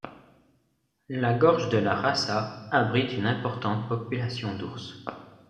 La gorge de la Rača abrite une importante population d'ours.